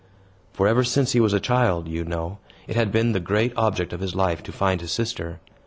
For, ever since he was a child, you know, it had been the great object of his life to find his sister.